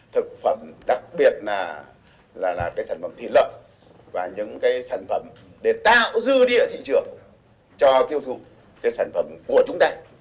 thực phẩm đặc biệt là sản phẩm thịt lợn và những sản phẩm để tạo dư địa thị trường cho tiêu thụ sản phẩm của chúng ta